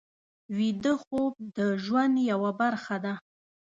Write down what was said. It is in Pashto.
ویده خوب د ژوند یوه برخه ده